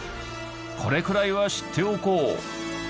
これくらいは知っておこう。